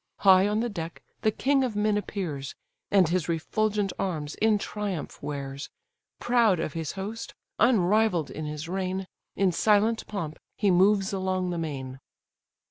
High on the deck the king of men appears, And his refulgent arms in triumph wears; Proud of his host, unrivall'd in his reign, In silent pomp he moves along the main.